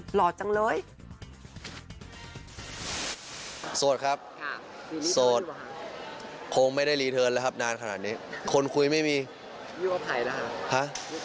ไปฟังเสียงเจ้าฟ้าพรเด่นคุณหน่อยนะคะ